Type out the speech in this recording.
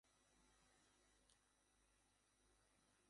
তিনি তাকে একটি রেলসেতু নির্মাণের দায়িত্ব প্রদান করেন।